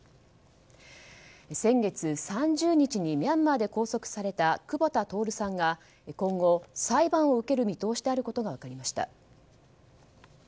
先月３０日にミャンマーで拘束された久保田徹さんが今後、裁判を受ける見通しであることが分かりました。